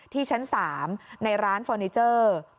ที่ชั้น๓ในร้านฟอร์นิเจอร์